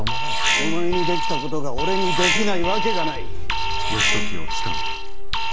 お前にできたことが俺にできないわけがない。